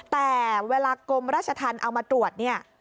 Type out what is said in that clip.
แต่เวลากรมราชธรรมเอามาตรวจเนี่ย